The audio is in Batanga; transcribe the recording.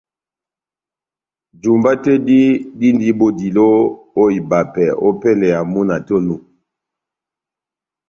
Jumba tɛ́h dí dindi bodilo ó ibapɛ ópɛlɛ ya múna tɛ́h onu